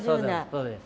そうです